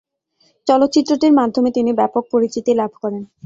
চলচ্চিত্রটির মাধ্যমে তিনি ব্যাপক পরিচিতি লাভ করেন।